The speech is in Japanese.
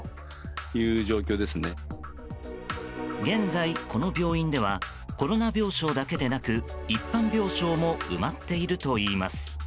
現在、この病院ではコロナ病床だけでなく一般病床も埋まっているといいます。